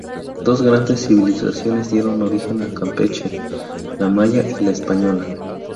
Dos grandes civilizaciones dieron origen a Campeche: la maya y la española.